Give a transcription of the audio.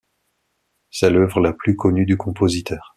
C'est l'œuvre la plus connue du compositeur.